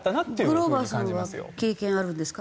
グローバーさんは経験あるんですか？